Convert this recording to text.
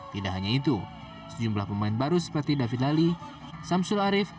tidak hanya itu sejumlah pemain baru seperti david lali samsul arief